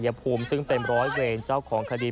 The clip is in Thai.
เกิดเหตุสักประมาณ๒ทุ่มได้